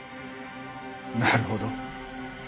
なるほど。